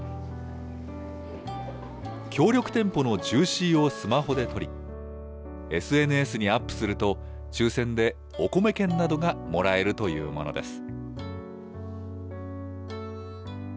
協力店舗のジューシーをスマホで撮り、ＳＮＳにアップすると、抽せんでお米券などがもらえるというものです。